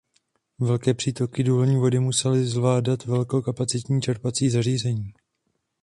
Velké přítoky důlní vody musely zvládat velkokapacitní čerpací zařízení.